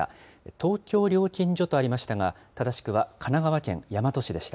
東京料金所とありましたが、正しくは神奈川県大和市でした。